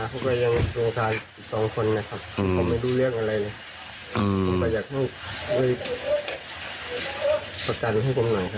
ซึ่งเราก็ไม่มีเงินใช่ไหมพี่